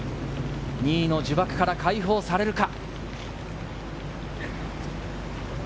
２位の呪縛から解放されるか？